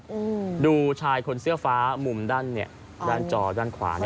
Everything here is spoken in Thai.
อืมดูชายคนเสื้อฟ้ามุมด้านเนี้ยด้านจอด้านขวาเนี้ย